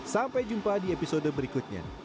sampai jumpa di episode berikutnya